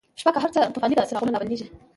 شپه که هرڅه توفانیده، څراغونه لابلیږی